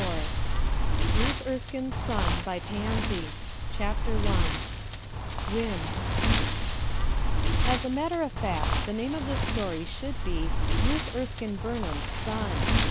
• 351 RUTH ERSKINE'S SON CHAPTER I whims AS a matter of fact the name of this story should be: Ruth Erskine Buniham's Son.